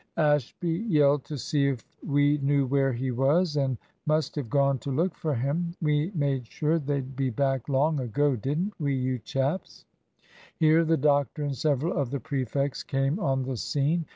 "Ashby yelled to see if we knew where he was, and must have gone to look for him. We made sure they'd be back long ago, didn't we, you chaps?" Here the doctor and several of the prefects came on the scene.